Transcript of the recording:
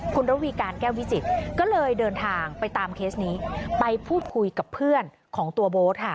คุณระวีการแก้ววิจิตก็เลยเดินทางไปตามเคสนี้ไปพูดคุยกับเพื่อนของตัวโบ๊ทค่ะ